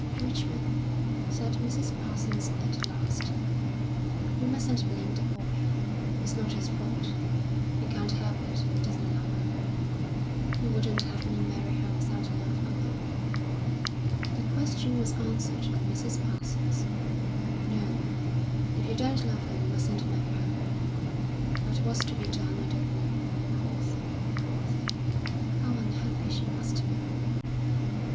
"Richmond," said Mrs. Parsons at last, "we mustn't blame the boy. It's not his fault. He can't help it if he doesn't love her." "You wouldn't have me marry her without love, father?" The question was answered by Mrs. Parsons. "No; if you don't love her, you mustn't marry her. But what's to be done, I don't know. Poor thing, poor thing, how unhappy she must be!"